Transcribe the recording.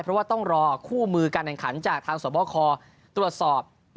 เพราะว่าต้องรอคู่มือการแห่งขันจากทางสอบ